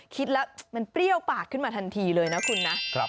คิดแล้วมันเปรี้ยวปากขึ้นมาทันทีเลยนะคุณนะ